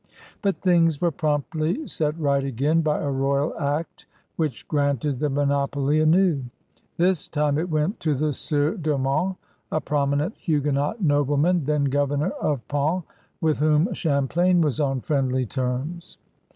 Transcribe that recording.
But things were promptly set right again by a royal act which granted the monopoly anew. This time it went to the Sieur de Monts, a prominent Huguenot nobleman, then governor of Pons, with whom Champlain was on friendly terms.